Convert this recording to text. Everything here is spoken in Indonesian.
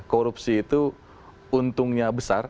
korupsi itu untungnya besar